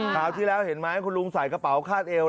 คราวที่แล้วเห็นไหมคุณลุงใส่กระเป๋าคาดเอว